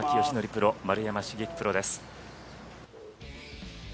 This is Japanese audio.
プロ、丸山茂樹プロです。